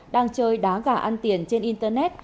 đang chơi đá gà ăn tiền trên internet